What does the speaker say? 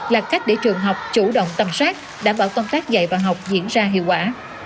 là cách để trường học chủ động tầm soát đảm bảo công tác dạy và học diễn ra hiệu quả